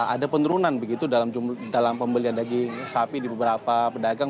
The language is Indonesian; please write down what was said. ada penurunan begitu dalam pembelian daging sapi di beberapa pedagang